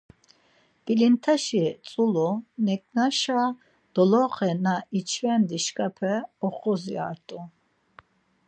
Pilintaşi tzulu neǩnaşa doloxe na iç̌ven dişǩape uxosyart̆u.